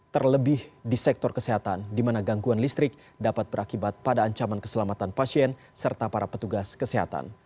terlebih di sektor kesehatan di mana gangguan listrik dapat berakibat pada ancaman keselamatan pasien serta para petugas kesehatan